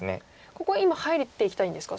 ここ今入っていきたいんですか。